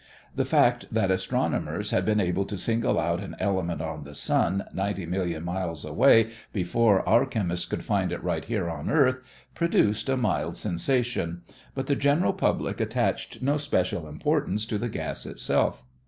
The fact that astronomers had been able to single out an element on the sun ninety million miles away before our chemists could find it right here on earth, produced a mild sensation, but the general public attached no special importance to the gas itself.